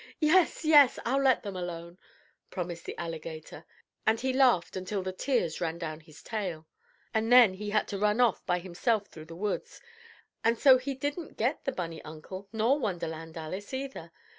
"Yes! Yes! I'll let them alone," promised the alligator, and he laughed until the tears ran down his tail. And then he had to run off by himself through the woods, and so he didn't get the bunny uncle nor Wonderland Alice either.